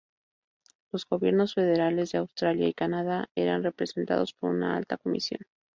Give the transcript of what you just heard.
Los gobiernos federales de Australia y Canadá eran representados por una Alta Comisión.